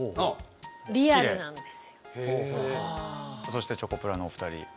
そしてチョコプラのお２人。